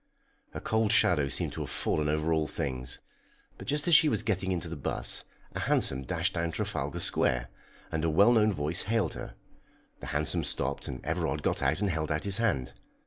A cold shadow seemed to have fallen over all things. But just as she was getting into the 'bus, a hansom dashed down Trafalgar Square, and a well known voice hailed her. The hansom stopped, and Everard got out and held out his hand.